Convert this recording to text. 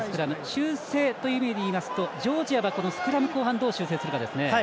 修正という意味で言いますとジョージアはスクラム、後半どう修正するかですね。